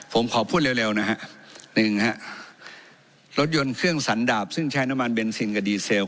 ผมขอพูดเร็วนะฮะหนึ่งฮะรถยนต์เครื่องสันดาบซึ่งใช้น้ำมันเบนซินกับดีเซล